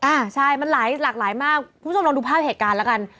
อ่าใช่มันหลายหลากหลายมากคุณผู้ชมลองดูภาพเหตุการณ์แล้วกัน